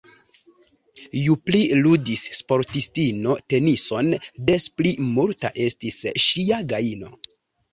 Ju pli ludis sportistino tenison, des pli multa estis ŝia gajno.